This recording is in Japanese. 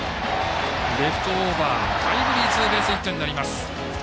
レフトオーバータイムリーツーベースヒットになります。